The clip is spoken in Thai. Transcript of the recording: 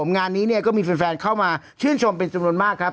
งานนี้เนี่ยก็มีแฟนเข้ามาชื่นชมเป็นจำนวนมากครับ